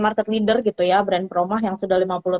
market leader gitu ya brand promah yang sudah